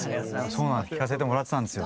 聴かせてもらってたんですよ。